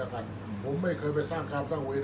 อันไหนที่มันไม่จริงแล้วอาจารย์อยากพูด